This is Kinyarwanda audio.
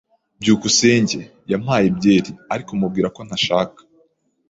byukusenge yampaye byeri, ariko mubwira ko ntashaka.